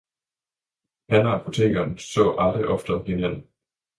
Han og apotekeren så aldrig oftere hinanden.